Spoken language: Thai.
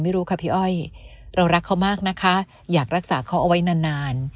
ไม่รู้ค่ะพี่อ้อยเรารักเขามากนะคะอยากรักษาเขาเอาไว้นานนาน